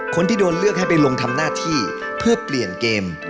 คนที่โดนเลือกให้ไปลงทำหน้าที่เพื่อเปลี่ยนเกม